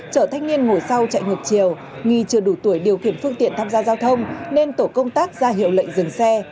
chở thanh niên ngồi sau chạy ngược chiều nghi chưa đủ tuổi điều khiển phương tiện tham gia giao thông nên tổ công tác ra hiệu lệnh dừng xe